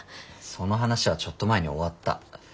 その話はちょっと前に終わった。